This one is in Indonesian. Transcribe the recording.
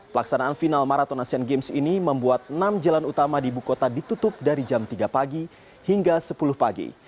pelaksanaan final marathon asian games ini membuat enam jalan utama di ibu kota ditutup dari jam tiga pagi hingga sepuluh pagi